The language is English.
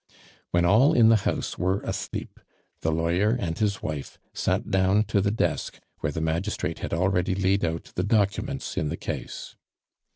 When all in the house were asleep, the lawyer and his wife sat down to the desk, where the magistrate had already laid out the documents in the case.